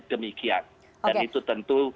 demikian dan itu tentu